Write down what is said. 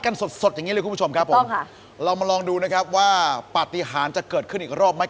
สดสดอย่างนี้เลยคุณผู้ชมครับผมค่ะเรามาลองดูนะครับว่าปฏิหารจะเกิดขึ้นอีกรอบไหม